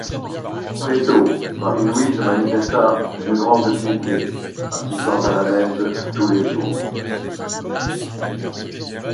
Très tôt Marie-Louise manifesta une grande piété, assistant à la messe tous les jours.